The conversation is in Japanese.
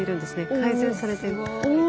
改善されてる。